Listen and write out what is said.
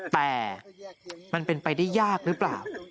แต่มันเป็นไปได้ยากหรือเปล่า